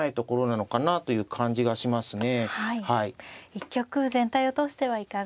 一局全体を通してはいかがですか。